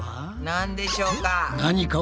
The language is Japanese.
なんでしょうか？